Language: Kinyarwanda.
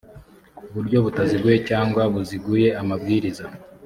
buryo butaziguye cyangwa buziguye amabwiriza